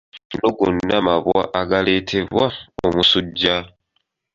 Gano gonna mabwa agaleetebwa omusujja.